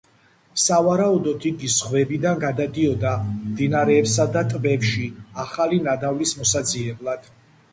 სავარაუდოდ, იგი ზღვებიდან გადადიოდა მდინარეებსა და ტბებში ახალი ნადავლის მოსაძიებლად.